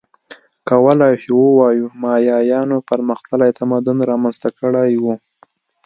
کولای شو ووایو مایایانو پرمختللی تمدن رامنځته کړی و